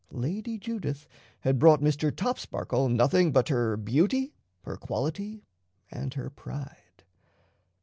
Lady Judith had brought Mr. Topsparkle nothing but her beauty, her quality, and her pride.